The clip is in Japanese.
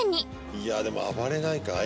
いやでも暴れないかい？